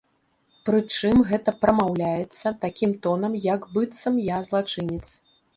Прычым гэта прамаўляецца такім тонам, як быццам я злачынец.